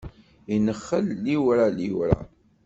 Inexxel liwṛa liwṛa.